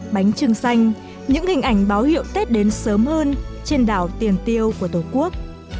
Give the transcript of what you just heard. bánh trưng xanh những hình ảnh báo hiệu tết đến sớm hơn trên đảo tiền tiêu của tổ quốc